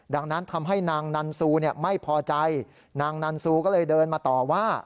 ดังนั้นทำให้นางนันซูไม่พอใจนางนันซูก็เลยเดินมาต่อว่า